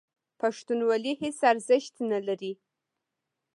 پښتونولي هېڅ ارزښت نه لري.